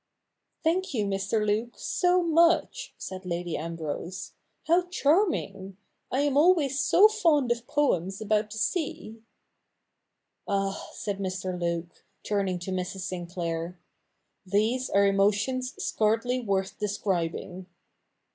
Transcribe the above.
' 54 THE NEW REPUBLIC [bk. i ' Thank you, Mr. Luke, so much,' said Lady Ambrose. ' How charming ! I am always so fond of poems about the sea.' 'Ah,' said Mr. Luke, turning to Mrs. Sinclair, ' these are emotions scarely worth describing.'